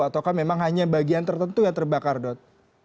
ataukah memang hanya bagian tertentu yang terbakar dot